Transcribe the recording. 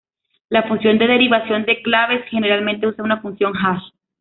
La función de derivación de claves generalmente usa una función hash.